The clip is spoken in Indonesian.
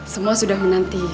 semua sudah menanti